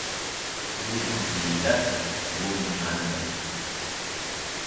Duuɓi jeetati o woodi hanne.